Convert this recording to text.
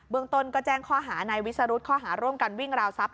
เมืองต้นก็แจ้งข้อหานายวิสรุธข้อหาร่วมกันวิ่งราวทรัพย